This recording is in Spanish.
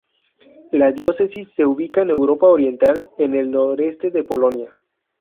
La diócesis se ubica en Europa Oriental, en el noreste de Polonia.